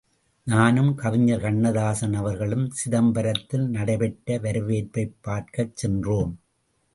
நானும் கவிஞர் கண்ணதாசன் அவர்களும் சிதம்பரத்தில் நடைபெற்ற வவேற்பைப் பார்க்கச் சென்றோம்.